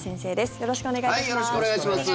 よろしくお願いします。